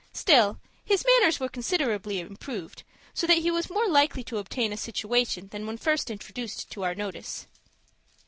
Still his manners were considerably improved, so that he was more likely to obtain a situation than when first introduced to our notice.